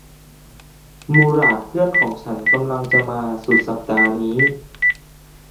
มูหราดเพื่อนของฉันกำลังจะมาสุดสัปดาห์นี้